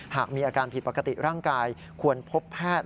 หากมีอาการผิดปกติร่างกายควรพบแพทย์